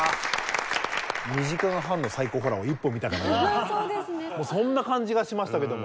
２時間半のサイコホラーを１本見たかのようなそんな感じがしましたけども。